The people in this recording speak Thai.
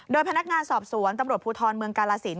โดยพนักงานสอบสวนตำรวจภูทรเมืองกาลสิน